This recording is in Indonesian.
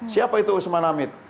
siapa itu usman hamid